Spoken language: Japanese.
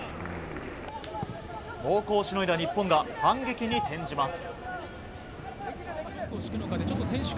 猛攻をしのいだ日本が反撃に転じます。